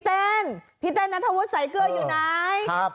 เต้นพี่เต้นนัทธวุฒิใส่เกลืออยู่ไหน